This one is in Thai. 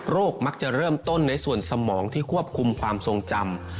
มักจะเริ่มต้นในส่วนสมองที่ควบคุมความทรงจำ